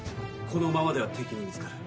このままでは敵に見つかる。